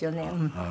はい。